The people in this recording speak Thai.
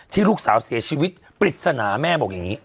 ลูกสาวเสียชีวิตปริศนาแม่บอกอย่างนี้